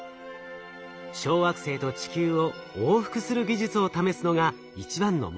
小惑星と地球を往復する技術を試すのが一番の目的でした。